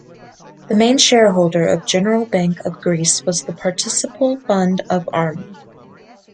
The main shareholder of General Bank of Greece was the Participial Fund of Army.